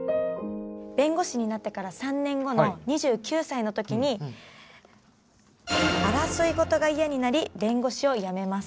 弁護士になってから３年後の２９歳の時に争いごとが嫌になり弁護士を辞めます。